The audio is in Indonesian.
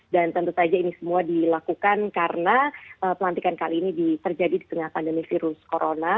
dan tentu saja ini semua dilakukan karena pelantikan kali ini terjadi di tengah pandemi virus corona